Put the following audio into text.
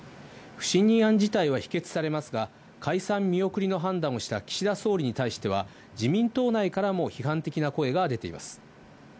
不信任案自体は否決されますが、解散見送りの判断をした岸田総理に対しては、自民党内からも批判的な声が出ています。